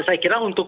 saya kira untuk